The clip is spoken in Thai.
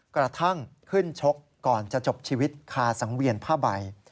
กระทั่งขึ้นชกก่อนจะจบชีวิตคาสังเวียนผ้าใบ